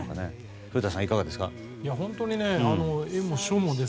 古田さん、いかがですか。